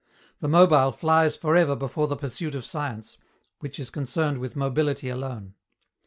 The mobile flies for ever before the pursuit of science, which is concerned with mobility alone.